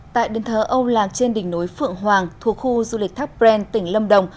tại đền thờ âu lạc trên đỉnh núi phượng hoàng thuộc khu du lịch thác bren tỉnh lâm đồng